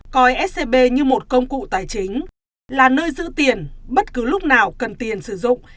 coi scb như một công cụ tài chính là nơi giữ tiền bất cứ lúc nào cần tiền sử dụng